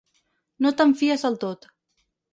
No te'n fies del tot.